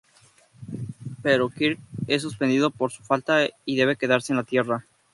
Pero Kirk es suspendido por su falta y debe quedarse en la Tierra.